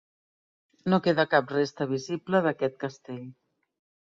No queda cap resta visible d'aquest castell.